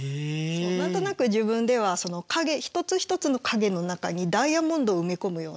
そう何となく自分では一つ一つの影の中にダイヤモンドを埋め込むような。